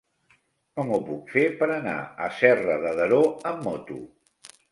Com ho puc fer per anar a Serra de Daró amb moto?